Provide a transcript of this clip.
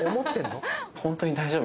「ホントに大丈夫？」